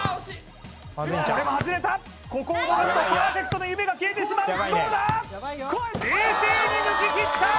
これも外れたここを逃すとパーフェクトの夢が消えてしまうどうだ冷静に抜ききった！